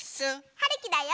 はるきだよ！